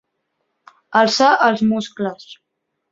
Alçar els muscles.